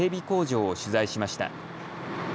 工場を取材しました。